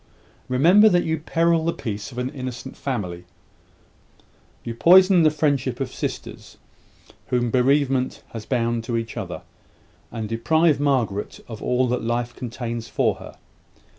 remember that you peril the peace of an innocent family; you poison the friendship of sisters whom bereavement has bound to each other; and deprive Margaret of all that life contains for her.